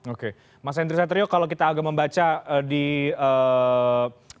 oke mas andries satrio kalau kita agak membaca di peta politik di dki jakarta